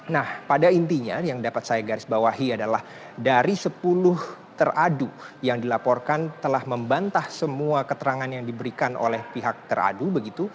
nah pada intinya yang dapat saya garis bawahi adalah dari sepuluh teradu yang dilaporkan telah membantah semua keterangan yang diberikan oleh pihak teradu begitu